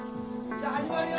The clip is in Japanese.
じゃ始まるよ！